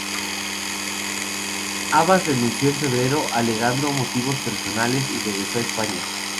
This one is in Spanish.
Habas renunció en febrero, alegando motivos personales y regresó a España.